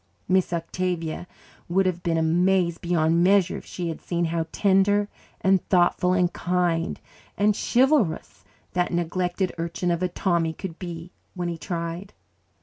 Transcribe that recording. Miss Octavia would have been amazed beyond measure if she had seen how tender and thoughtful and kind and chivalrous that neglected urchin of a Tommy could be when he tried.